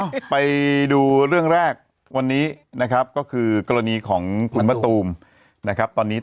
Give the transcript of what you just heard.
หรออืมขนาดพ่อลูกก็ต้องระยะห่าง